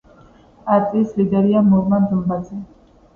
პარტიის ლიდერია მურმან დუმბაძე.